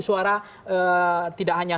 suara tidak hanya